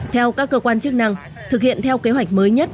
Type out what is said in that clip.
theo các cơ quan chức năng thực hiện theo kế hoạch mới nhất